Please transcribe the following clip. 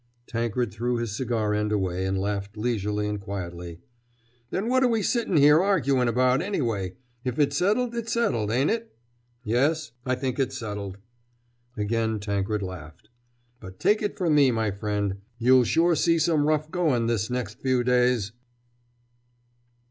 Tankred threw his cigar end away and laughed leisurely and quietly. "Then what're we sittin' here arguin' about, anyway? If it's settled, it's settled, ain't it?" "Yes, I think it's settled!" Again Tankred laughed. "But take it from me, my friend, you'll sure see some rough goin' this next few days!"